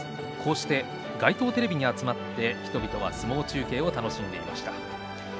人々は街頭テレビに集まって相撲中継を楽しんでいました。